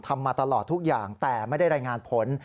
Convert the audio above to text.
มาตลอดทุกอย่างแต่ไม่ได้รายงานผล